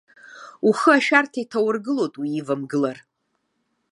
Ухы ашәарҭа иҭаургылоит, уивамгылар.